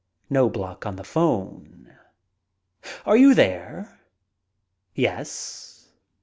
Knobloch on the phone: "Are you there? ... Yes.